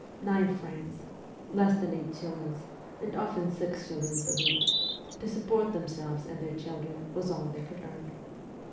Nine francs (less than eight shillings), and often six shillings a week, to sup port themselves and their children was all they could earn.